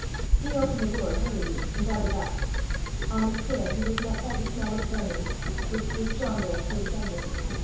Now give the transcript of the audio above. He opened the door hurriedly and darted up. On the stair he was met by the smell of burning, which grew stronger as he ascended.